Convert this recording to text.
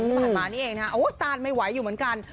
ผ่านมานี่เองนะครับตานไม่ไหวอยู่เหมือนกัน